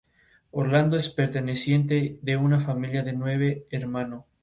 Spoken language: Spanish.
Britton Neck se encuentra en la parte sur del condado de Marion en Co.